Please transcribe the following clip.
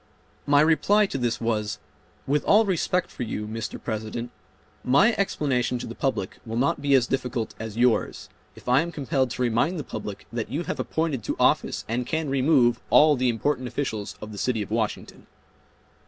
My reply to this was, "With all respect for you, Mr. President, my explanation to the public will not be as difficult as yours, if I am compelled to remind the public that you have appointed to office and can remove all the important officials of the city of Washington."